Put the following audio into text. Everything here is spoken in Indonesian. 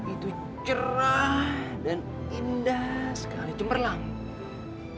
itu cerah dan indah sekali cemerlang